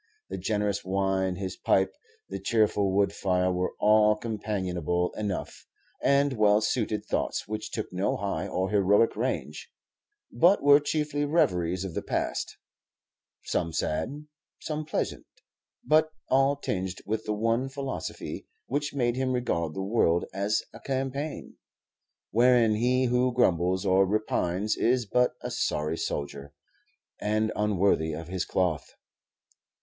The generous wine, his pipe, the cheerful wood fire, were all companionable enough, and well suited thoughts which took no high or heroic range, but were chiefly reveries of the past, some sad, some pleasant, but all tinged with the one philosophy, which made him regard the world as a campaign, wherein he who grumbles or repines is but a sorry soldier, and unworthy of his cloth.